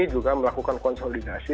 juga melakukan konsolidasi